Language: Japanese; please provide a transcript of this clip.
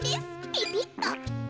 ピピッと。